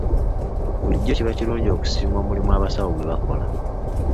Bulijjo kiba kirungi okusiima omulimu abasawo gwe bakola.